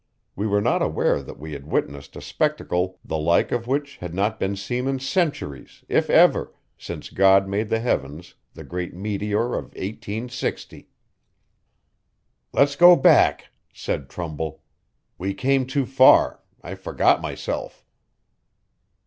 We were not aware that we had witnessed a spectacle the like of which had not been seen in centuries, if ever, since God made the heavens. The great meteor of 1860. 'Let's go back,' said Trumbull. 'We came too far. I forgot myself.'